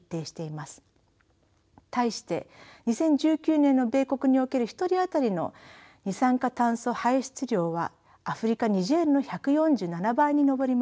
対して２０１９年の米国における１人あたりの二酸化炭素排出量はアフリカニジェールの１４７倍に上ります。